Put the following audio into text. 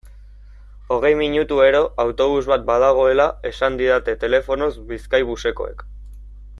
Hogei minutuero autobus bat badagoela esan didaten telefonoz Bizkaibusekoek.